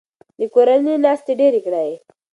د کورنۍ ناستې ډیرې کړئ.